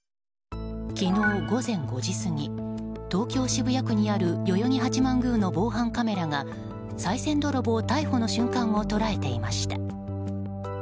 昨日、午前５時過ぎ東京・渋谷区にある代々木八幡宮の防犯カメラがさい銭泥棒逮捕の瞬間を捉えていました。